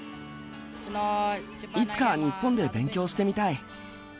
いつかは日本で勉強してみたい。